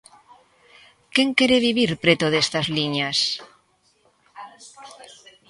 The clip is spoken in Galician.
Quen quere vivir preto destas liñas?